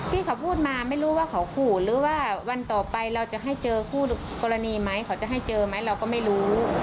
ที่เขาพูดมาไม่รู้ว่าเขาขู่หรือว่าวันต่อไปเราจะให้เจอคู่กรณีไหมเขาจะให้เจอไหมเราก็ไม่รู้